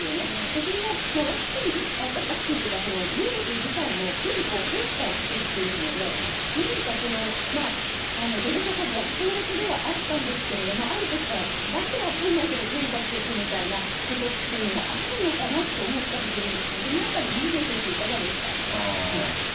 それは、ワクチンというか、ウイルス自体も日々変化をしていっているので、何かその、デルタ株は強烈ではあったんですけれども、あるときから、訳わかんないけど変化してくみたいなことっていうのもあるのかなと思ったりするんですが、そのあたり、水野先生、いかがですか。